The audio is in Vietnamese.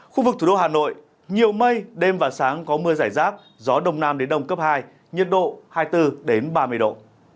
khu vực thủ đô hà nội nhiều mây đêm và sáng có mưa rải rác gió đông nam đến đông cấp hai nhiệt độ hai mươi bốn ba mươi độ